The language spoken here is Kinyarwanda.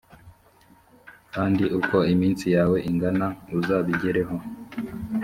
kandi uko iminsi yawe ingana uzabigereho.